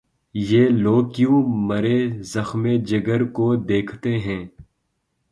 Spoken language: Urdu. یہ لوگ کیوں مرے زخمِ جگر کو دیکھتے ہیں